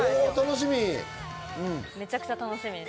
めちゃくちゃ楽しみ。